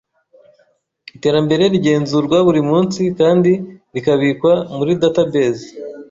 Iterambere rigenzurwa buri munsi kandi rikabikwa muri data base.